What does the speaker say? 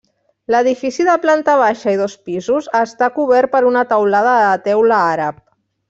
L'edifici de planta baixa i dos pisos, està cobert per una teulada de teula àrab.